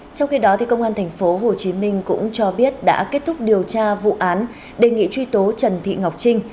trong khi đó công an tp hcm cũng cho biết đã kết thúc điều tra vụ án đề nghị truy tố trần thị ngọc trinh